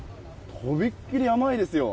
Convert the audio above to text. とびきり甘いですよ。